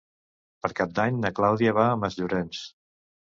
Per Cap d'Any na Clàudia va a Masllorenç.